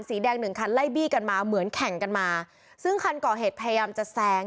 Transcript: สีแดงหนึ่งคันไล่บี้กันมาเหมือนแข่งกันมาซึ่งคันก่อเหตุพยายามจะแซง